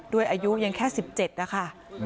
อายุยังแค่๑๗นะคะ